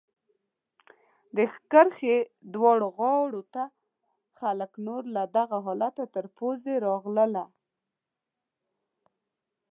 د کرښې دواړو غاړو ته خلک نور له دغه حالته تر پوزې راغله.